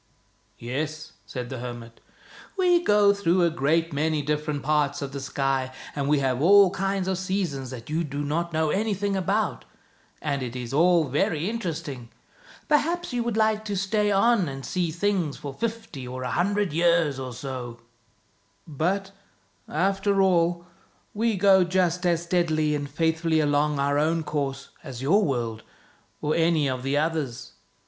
" "Yes," said the hermit. " We go through a great many different parts of the sky, and we have all kinds of seasons that you do not know anything about, and it is all very interesting. Perhaps you would like to stay 73 THE BOY WHO WENT OUT OF THE WORLD on and see things for fifty or a hundred years or so. But, after all, we go just as steadily and faithfully along our own course as your world or any of the others."